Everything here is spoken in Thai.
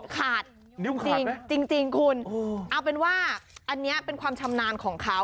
จริงจริงคุณเอาเป็นว่าอันนี้เป็นความชำนาญของเขา